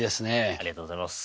ありがとうございます。